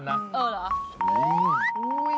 เออเหรอ